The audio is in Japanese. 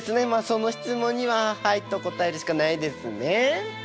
その質問には「はい」と答えるしかないですね。